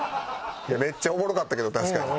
めっちゃおもろかったけど確かに。